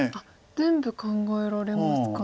全部考えられますか。